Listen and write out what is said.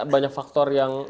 banyak faktor yang